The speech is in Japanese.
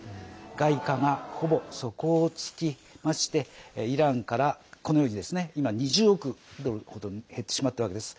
外貨がほぼ底をつきましてイランから今、２０億ドルほど減ってしまったわけです。